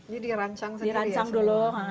jadi dirancang sendiri ya